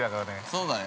◆そうだね。